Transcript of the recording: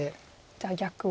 じゃあ逆を。